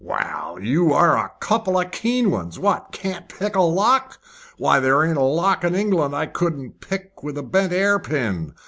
"Well, you are a couple of keen ones! What, can't pick the lock! Why, there ain't a lock in England I couldn't pick with a bent 'airpin.